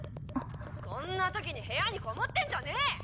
こんな時に部屋にこもってんじゃねえ！